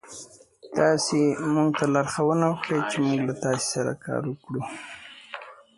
His color sergeant was killed.